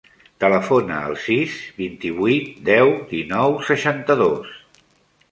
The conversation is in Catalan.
Telefona al sis, vint-i-vuit, deu, dinou, seixanta-dos.